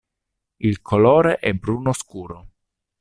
Il colore è bruno scuro.